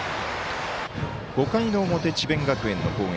５回の表、智弁学園の攻撃。